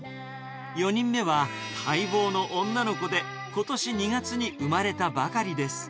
４人目は待望の女の子で、ことし２月に産まれたばかりです。